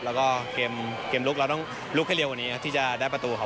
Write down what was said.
แล้วก็เกมลุกเราต้องลุกให้เร็วกว่านี้ครับที่จะได้ประตูเขา